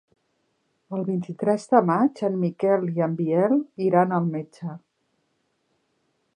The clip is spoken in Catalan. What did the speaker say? El vint-i-tres de maig en Miquel i en Biel iran al metge.